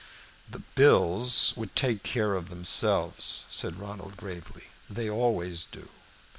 "The bills would take care of themselves," said Ronald, gravely. "They always do.